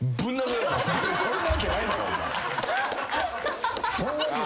そんなわけないだろ。